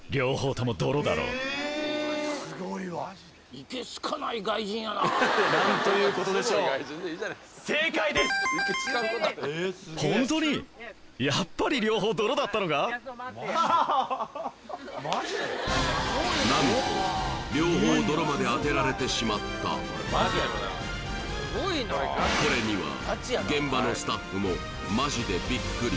イケ好かない外国人やな何ということでしょう何と両方泥まで当てられてしまったこれには現場のスタッフもマジでびっくり